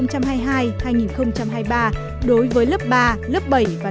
năm học hai nghìn hai mươi hai hai nghìn hai mươi ba đối với lớp ba